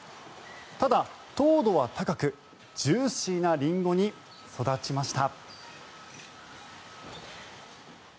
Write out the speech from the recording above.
ただ、糖度は高くジューシーなリンゴに育ちました。